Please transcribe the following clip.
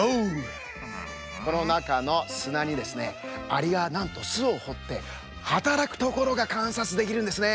このなかのすなにですねアリがなんとすをほってはたらくところがかんさつできるんですね。